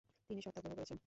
তিনি সত্যাগ্রহ করেছেন ।